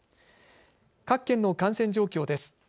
各県の感染状況です。